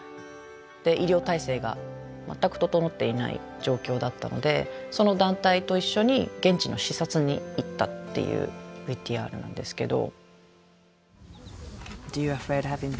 で医療体制が全く整っていない状況だったのでその団体と一緒に現地の視察に行ったっていうＶＴＲなんですけど。